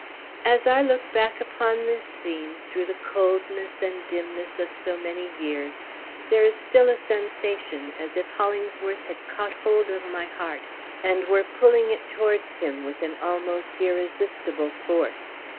As I look back upon this scene, through the coldness and dimness of so many years, there is still a sensation as if Hollingsworth had caught hold of my heart, and were pulling it towards him with an almost irresistible force.